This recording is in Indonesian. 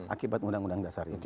akibat undang undang dasar ini